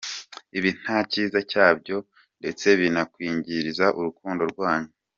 Ibi nta kiza cyabyo ndetse binakwingiza urukundo rwanyu.